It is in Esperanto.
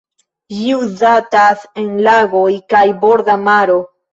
Ĝi uzatas en lagoj kaj borda maro.